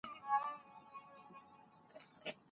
شاګرد د لوړ ږغ سره پاڼه ړنګه کړه.